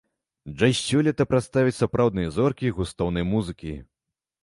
Джаз сёлета прадставяць сапраўдныя зоркі густоўнай музыкі.